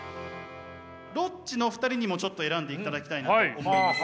ロッチの２人にもちょっと選んでいただきたいなと思います。